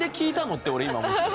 って俺今思った。